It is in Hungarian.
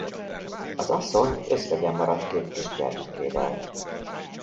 Az asszony özvegyen maradt két kisgyermekével.